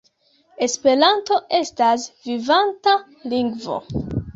Esperanto estas vivanta lingvo.